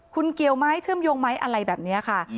คุณเกี่ยวไหมเชื่อมโยงไหมอะไรแบบนี้ค่ะ